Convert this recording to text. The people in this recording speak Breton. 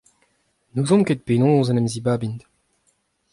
N'ouzomp ket penaos en em zibabint